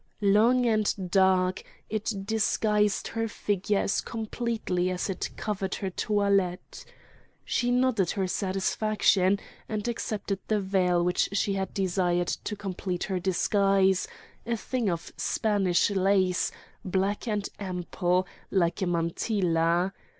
Long and dark, it disguised her figure as completely as it covered her toilette. She nodded her satisfaction, and accepted the veil which she had desired to complete her disguise, a thing of Spanish lace, black and ample, like a mantilla.